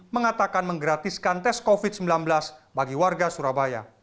mengatakan menggratiskan tes covid sembilan belas bagi warga surabaya